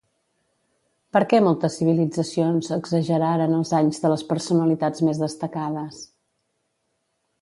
Per què moltes civilitzacions exageraren els anys de les personalitats més destacades?